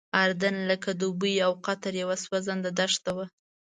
اردن لکه دوبۍ او قطر یوه سوځنده دښته وه.